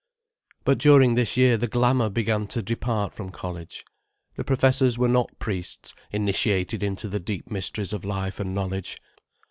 But during this year the glamour began to depart from college. The professors were not priests initiated into the deep mysteries of life and knowledge.